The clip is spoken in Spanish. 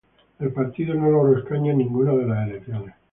El partido no logró escaños en ninguna de las elecciones.